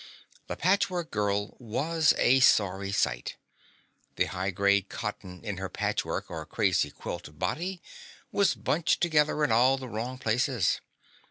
The Patchwork Girl was a sorry sight. The high grade cotton in her patchwork or "crazy quilt" body was bunched together in all the wrong places.